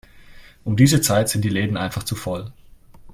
Um diese Zeit sind die Läden einfach zu voll.